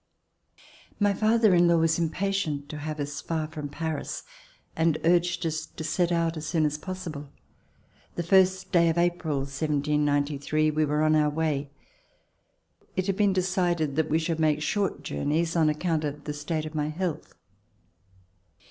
My father in law was impatient to have us far from Paris and urged us to set out as soon as possible. The first day of April, 1793, we were on our way. It had been decided that we should make short journeys on account of the state of my health.